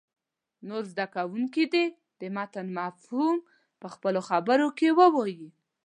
نور زده کوونکي دې د متن مفهوم په خپلو خبرو کې ووایي.